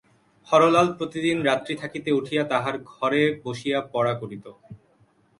হরলাল প্রতিদিন রাত্রি থাকিতে উঠিয়া তাহার ঘরে বসিয়া পড়া করিত।